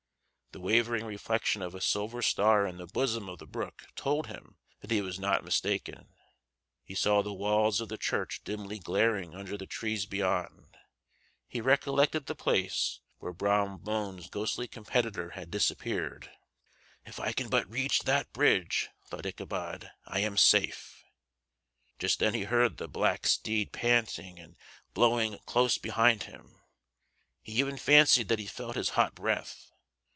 The wavering reflection of a silver star in the bosom of the brook told him that he was not mistaken. He saw the walls of the church dimly glaring under the trees beyond. He recollected the place where Brom Bones' ghostly competitor had disappeared. "If I can but reach that bridge," thought Ichabod, "I am safe." Just then he heard the black steed panting and blowing close behind him; he even fancied that he felt his hot breath.